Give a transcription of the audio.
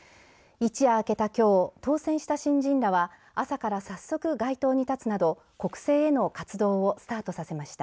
一夜明けたきょう当選した新人らは朝から早速、街頭に立つなど国政への活動をスタートさせました。